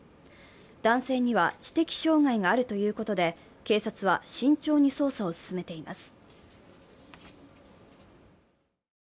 男性には知的障害があるということで、警察は慎重に捜査を進めています。